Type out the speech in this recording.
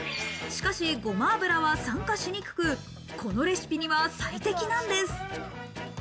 しかし、ゴマ油は酸化しにくく、このレシピには最適なんです。